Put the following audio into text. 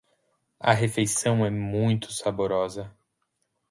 A refeição é muito saborosa.